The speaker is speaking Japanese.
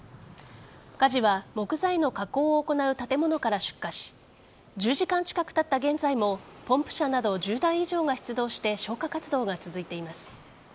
火事は木材の加工を行う建物から出火し１０時間近くたった現在もポンプ車など１０台以上が出動して消火活動が続いています。